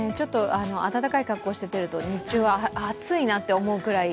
暖かい格好をして出ると日中は暑いなと思うくらい。